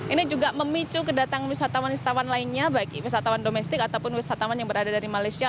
ini juga memicu kedatangan wisatawan wisatawan lainnya baik wisatawan domestik ataupun wisatawan yang berada dari malaysia